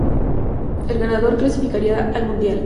El ganador clasificaría al Mundial.